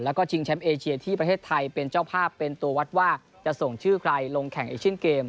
แล้วก็ชิงแชมป์เอเชียที่ประเทศไทยเป็นเจ้าภาพเป็นตัววัดว่าจะส่งชื่อใครลงแข่งเอเชียนเกม